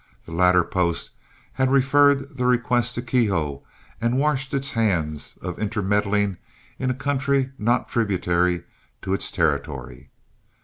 The latter post had referred the request to Keogh, and washed its hands of intermeddling in a country not tributary to its territory.